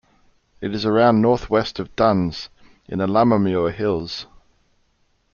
It is around north-west of Duns, in the Lammermuir Hills.